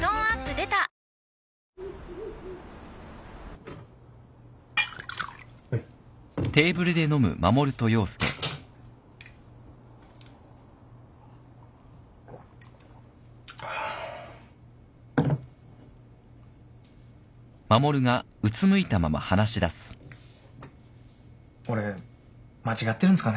俺間違ってるんすかね。